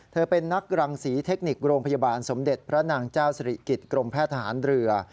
เป็นนักรังศรีเทคนิคโรงพยาบาลสมเด็จพระนางเจ้าสิริกิจกรมแพทย์ทหารเรือ